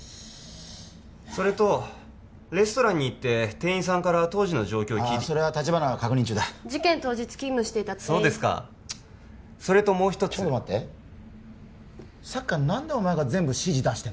それとレストランに行って店員さんから当時の状況を立花が確認中だ事件当日勤務していた店員がそうですかそれともう一つちょっと待ってさっきから何でお前が全部指示を？